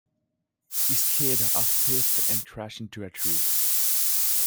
He skidded off-piste and crashed into a tree.